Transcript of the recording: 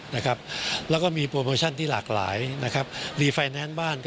นะครับแล้วก็มีโปรโมชั่นที่หลากหลายนะครับคิดว่าบ้านก็